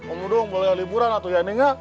om dudung boleh liburan atau ya